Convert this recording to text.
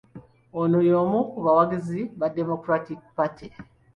Ono y'omu ku bawagizi ba Democratic Party.